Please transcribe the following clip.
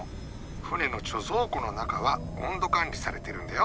船の貯蔵庫の中は温度管理されてるんだよ。